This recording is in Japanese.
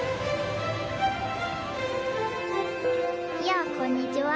やあこんにちは。